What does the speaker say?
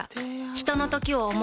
ひとのときを、想う。